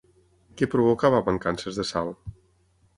Què provocava mancances de sal?